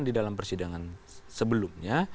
di dalam persidangan sebelumnya